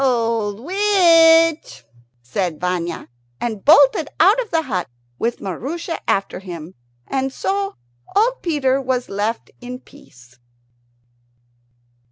"Old witch!" said Vanya, and bolted out of the hut with Maroosia after him; and so old Peter was left in peace.